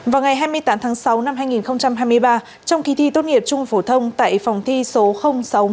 vào ngày hai mươi tám tháng sáu năm hai nghìn hai mươi ba trong kỳ thi tốt nghiệp trung phổ thông tại phòng thi số sáu mươi một